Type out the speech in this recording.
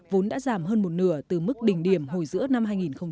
vốn đã giảm hơn một nửa từ mức đỉnh điểm hồi giữa năm hai nghìn một mươi năm